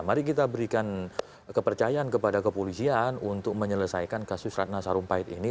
mari kita berikan kepercayaan kepada kepolisian untuk menyelesaikan kasus ratna sarumpait ini